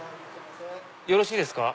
よろしいですか？